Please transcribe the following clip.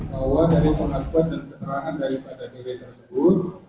pengakuatan dan keterangan daripada dw tersebut